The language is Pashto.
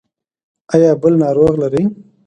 ایا بل ناروغ لرئ؟